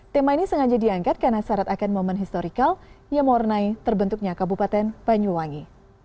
tema ini sengaja diangkat karena syarat akan momen historikal yang mewarnai terbentuknya kabupaten banyuwangi